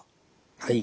はい。